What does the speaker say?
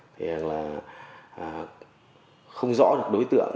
thế là không rõ được đối tượng